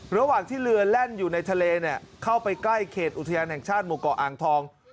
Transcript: ระหว่างที่เรือแล่นอยู่ในทะเลเนี่ยเข้าไปใกล้เขตอุทยานแห่งชาติหมู่เกาะอ่างทอง